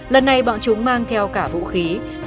lần này bọn chúng mang theo cả vũ khí